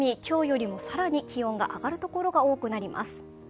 今日よりも更に気温が上がる所が多くなります。